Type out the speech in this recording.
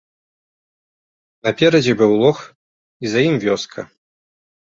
Наперадзе быў лог і за ім вёска.